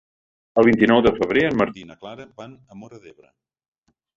El vint-i-nou de febrer en Martí i na Clara van a Móra d'Ebre.